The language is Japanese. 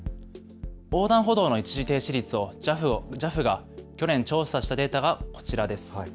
横断歩道の一時停止率をＪＡＦが去年調査したデータがこちらです。